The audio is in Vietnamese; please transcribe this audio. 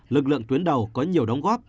lực lượng tuyến đầu có nhiều đóng góp